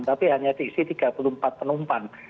tapi hanya diisi tiga puluh empat penumpang